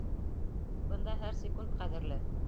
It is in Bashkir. Бында һәр секунд ҡәҙерле.